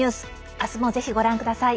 明日も、ぜひご覧ください。